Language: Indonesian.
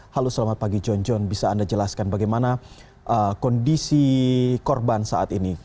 halo selamat pagi john john bisa anda jelaskan bagaimana kondisi korban saat ini